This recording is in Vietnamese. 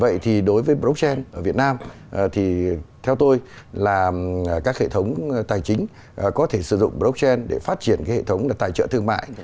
vậy thì đối với blockchain ở việt nam thì theo tôi là các hệ thống tài chính có thể sử dụng blockchain để phát triển cái hệ thống là tài trợ thương mại